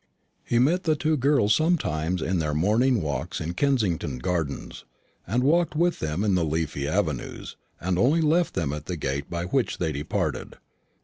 He met the two girls sometimes in their morning walks in Kensington gardens, and walked with them in the leafy avenues, and only left them at the gate by which they departed.